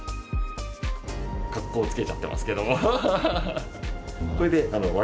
格好つけちゃってますけど。